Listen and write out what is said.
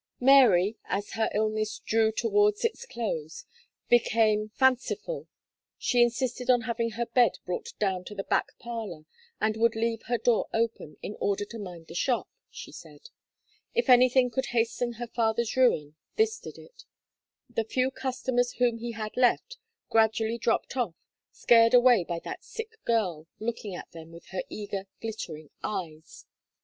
Mary, as her illness drew towards its close, became fanciful, she insisted on having her bed brought down to the back parlour, and would leave her door open, "in order to mind the shop," she said. If anything could hasten her father's ruin, this did it: the few customers whom he had left, gradually dropped off, scared away by that sick girl, looking at them with her eager, glittering eyes.